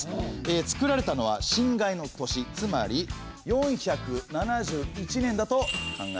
作られたのは辛亥の年つまり４７１年だと考えられております。